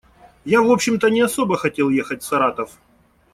Я, в общем-то, не особо хотел ехать в Саратов.